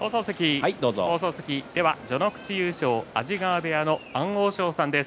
序ノ口優勝、安治川部屋の安大翔さんです。